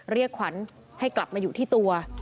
เรียกขวัญให้กลับมาอยู่ที่ตัว